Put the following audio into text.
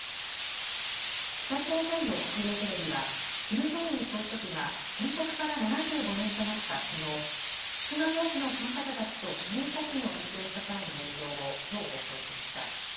北朝鮮の国営テレビはキム・ジョンウン総書記が建国から７５年となったきのう祝賀行事の参加者たちと記念写真を撮影した際の映像をきょう放送しました。